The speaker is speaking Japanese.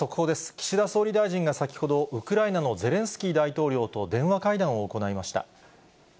岸田総理大臣が先ほど、ウクライナのゼレンスキー大統領と電話会談を行いました。